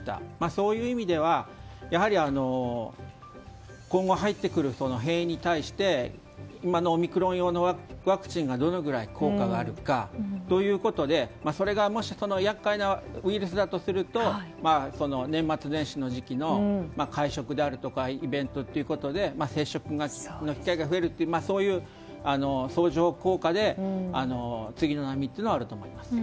そういう意味ではやはり今後、入ってくる変異に対して今のオミクロン用のワクチンがどのぐらい効果があるかということでそれがもし厄介なウイルスだとすると年末年始の時期の会食であるとかイベントということで接触の機会が増えるというそういう相乗効果で次の波っていうのはあると思います。